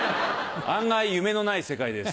案外夢のない世界です